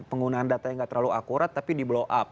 penggunaan data yang tidak terlalu akurat tapi di blow up